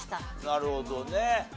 なるほどね。